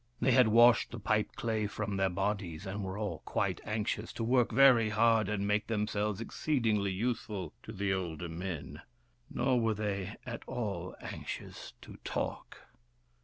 They had washed the pipe clay from their bodies, and were all quite anxious to work very hard and make themselves exceedingly useful to the older men ; nor were they at all anxious to talk.